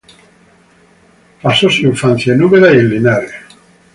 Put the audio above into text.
Pasó su infancia en Úbeda y en Linares.